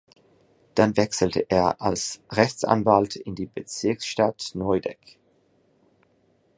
Dann wechselte er als Rechtsanwalt in die Bezirksstadt Neudek.